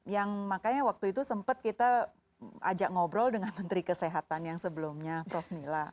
yang makanya waktu itu sempat kita ajak ngobrol dengan menteri kesehatan yang sebelumnya prof nila